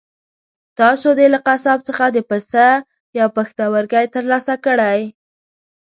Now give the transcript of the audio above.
تاسو دې له قصاب څخه د پسه یو پښتورګی ترلاسه کړئ.